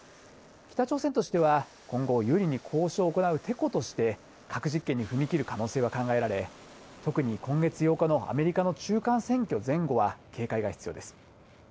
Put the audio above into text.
北朝鮮としては、今後、有利に交渉を行うてことして、核実験に踏み切る可能性が考えられ、特に、今月８日のアメリカの中間選挙前後は、警戒が必要です。